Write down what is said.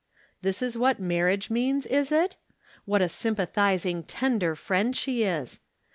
This is what marriage means, is it ? What a sympathizing, tender friend she is